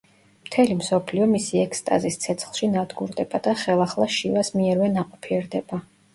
მთელი მსოფლიო მისი ექსტაზის ცეცხლში ნადგურდება და ხელახლა შივას მიერვე ნაყოფიერდება.